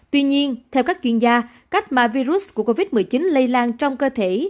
tuy nhiên theo các chuyên gia cách mà virus của covid một mươi chín lây lan trong cơ thể